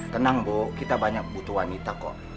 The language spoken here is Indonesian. tenang bu kita banyak butuh wanita kok